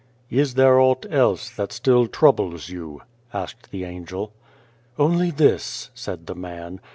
" Is there aught else that still troubles you ?" asked the Angel. "Only this," said the man.